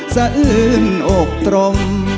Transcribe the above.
สะอืนอกตรง